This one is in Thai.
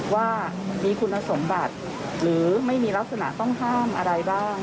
ว่ามีคุณสมบัติหรือไม่มีลักษณะต้องห้ามอะไรบ้าง